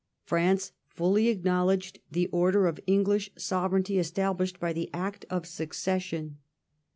France fully acknowledged the order of English sovereignty established by the Act of Succession.